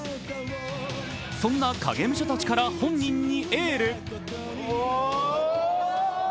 そんな影武者たちから本人にエール。